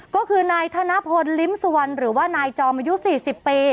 ก็คือนายธนพลลิ้มสุวรรณหรือว่านายจอมอายุ๔๐ปี